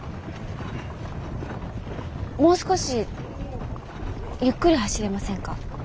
もう少しゆっくり走れませんか？